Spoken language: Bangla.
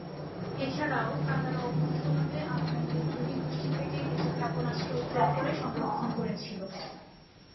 এছাড়াও কাতার অবৈধভাবে আফগান বিদ্রোহী গোষ্ঠী থেকে কিছু ক্ষেপণাস্ত্র উদ্ধার করে সংরক্ষণ করেছিল।